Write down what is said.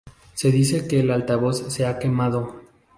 Se dice que el altavoz se ha quemado.